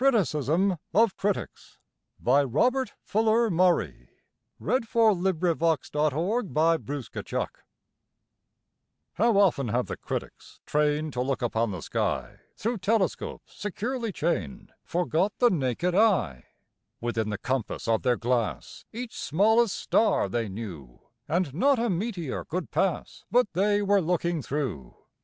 JM Embroideries & Collectibles A Criticism Of Critics By Robert Fuller Murray How often have the critics, trained To look upon the sky Through telescopes securely chained, Forgot the naked eye. Within the compass of their glass Each smallest star they knew, And not a meteor could pass But they were looking through.